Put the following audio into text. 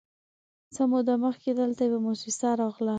_څه موده مخکې دلته يوه موسسه راغله،